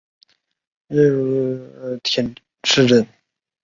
县莅位于丰田市镇。